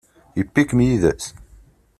Yewwi-kem yid-s?